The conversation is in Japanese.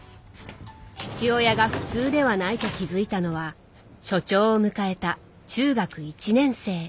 父親が普通ではないと気付いたのは初潮を迎えた中学１年生。